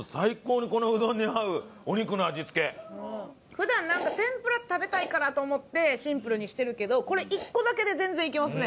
普段天ぷら食べたいからと思ってシンプルにしてるけどこれ１個だけで全然いけますね。